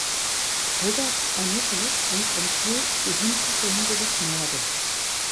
Roberts ermittelt und enthüllt die Hintergründe des Mordes.